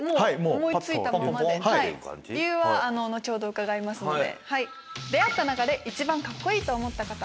理由は後ほど伺いますので。